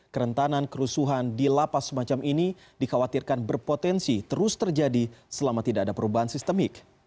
kerentanan kerusuhan di lapas semacam ini dikhawatirkan berpotensi terus terjadi selama tidak ada perubahan sistemik